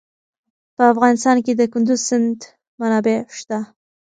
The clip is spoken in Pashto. په افغانستان کې د کندز سیند منابع شته.